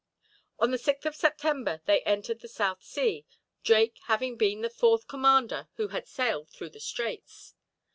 On the 6th of September they entered the South Sea, Drake having been the fourth commander who had sailed through the Straits.